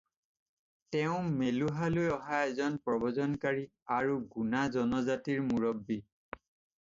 তেওঁ মেলুহালৈ অহা এজন প্ৰব্ৰজনকাৰী আৰু গুনা জনজাতিৰ মূৰব্বী।